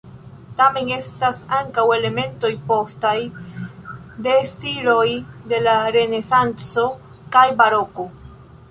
Tamen estas ankaŭ elementoj postaj, de stiloj de la renesanco kaj baroko.